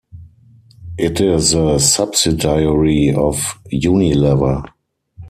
It is a subsidiary of Unilever.